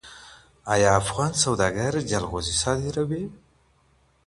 ایا افغان سوداګر جلغوزي صادروي؟